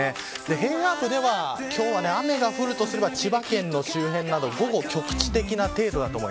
平野部では、雨が降るとしたら千葉県の周辺など午後、局地的な程度です。